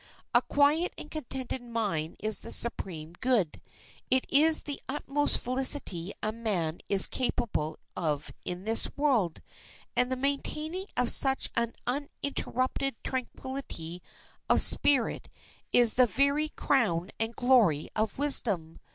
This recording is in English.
A quiet and contented mind is the supreme good; it is the utmost felicity a man is capable of in this world; and the maintaining of such an uninterrupted tranquillity of spirit is the very crown and glory of wisdom.